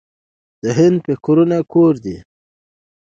ذهن د فکرونو کور دی.